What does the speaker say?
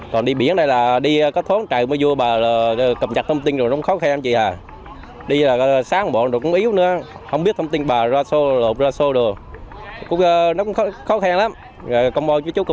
còn đi biển này là đi có thốn trại mới vua bà cập nhật thông tin rồi nó không khó khăn chị à